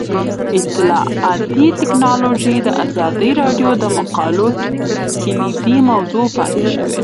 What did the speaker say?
اطلاعاتی تکنالوژي د ازادي راډیو د مقالو کلیدي موضوع پاتې شوی.